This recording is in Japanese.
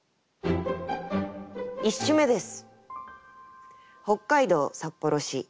１首目です。